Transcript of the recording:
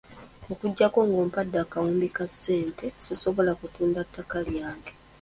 Okuggyako nga ompadde akawumbi ka ssente, sisobola kutunda ttaka lyange.